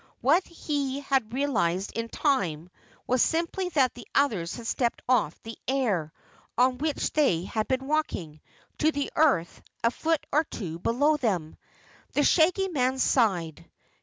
What he had realized in time, was simply that the others had stepped off the air, on which they had been walking, to the earth a foot or two below them. The Shaggy Man sighed.